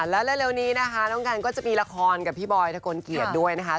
แล้วเร็วนี้นะคะน้องกันก็จะมีละครกับพี่บอยทะกลเกียจด้วยนะคะ